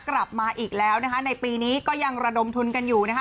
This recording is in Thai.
กลับมาอีกแล้วนะคะในปีนี้ก็ยังระดมทุนกันอยู่นะคะ